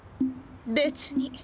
別に。